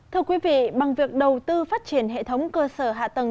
thưa quý vị bằng việc đầu tư phát triển hệ thống cơ sở hạ tầng